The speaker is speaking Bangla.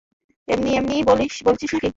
এমনি-এমনিই বলছিস নাকি?